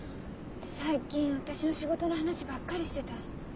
最近私の仕事の話ばっかりしてた。